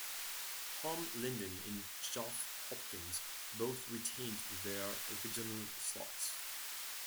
Tim Lindon and Joff Hopkins both retained their original slots.